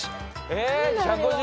えー１５０